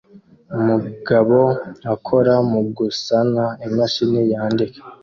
Umugabo akora mugusana imashini yandika